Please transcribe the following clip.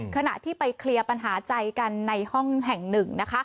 ขณะที่ไปเคลียร์ปัญหาใจกันในห้องแห่งหนึ่งนะคะ